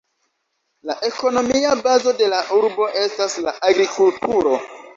La ekonomia bazo de la urbo estas la agrikulturo.